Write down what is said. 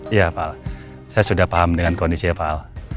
iya pak al saya sudah paham dengan kondisi ya pak al